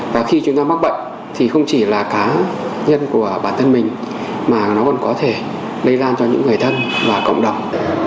và khi chúng ta mắc bệnh thì không chỉ là cá nhân của bản thân mình mà nó còn có thể lây lan cho những người thân và cộng đồng